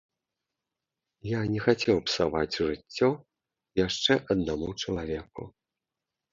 Я не хацеў псаваць жыццё яшчэ аднаму чалавеку.